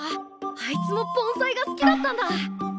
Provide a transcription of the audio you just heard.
あいつも盆栽が好きだったんだ！